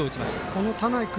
この田内君